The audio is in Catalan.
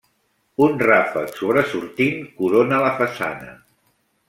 Un ràfec sobresortint corona la façana.